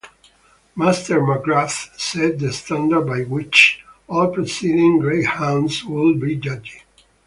Master McGrath set the standard by which all proceeding greyhounds would be judged.